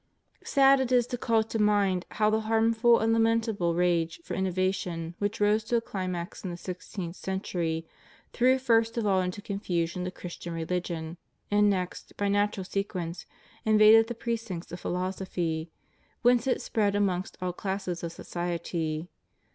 *^ Epist. 238. 120 CHRISTIAN CONSTITUTION OF STATES. Sad it is to call to mind how the harmful and lamentable rage for innovation which rose to a climax in the sixteenth century, threw first of all into confusion the Christian religion, and next, by natural sequence, invaded the precincts of philosophy, whence it spread amongst all classes of society.